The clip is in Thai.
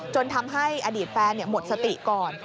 จนทำให้อดีตแฟนหมดสติก่อน